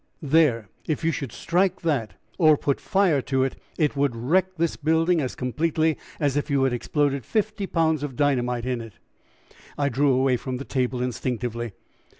There, if you should strike that or put fire to it, it would wreck this building as completely as if you had exploded fifty pounds of dynamite in it." I drew away from the table instinctively.